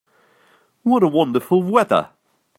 What a wonderful weather!